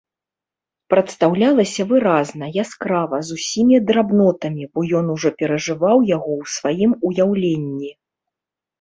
Прадстаўлялася выразна, яскрава, з усімі драбнотамі, бо ён ужо перажываў яго ў сваім уяўленні.